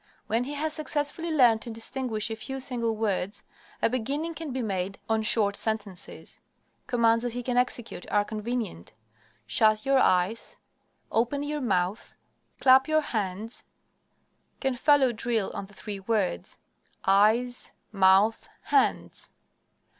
When he has successfully learned to distinguish a few single words, a beginning can be made on short sentences. Commands that he can execute are convenient. "Shut your eyes," "Open your mouth," "Clap your hands," can follow drill on the three words, "eyes," "mouth," "hands."